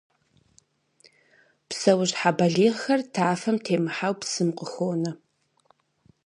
Псэущхьэ балигъхэр тафэм темыхьэу псым къыхонэ.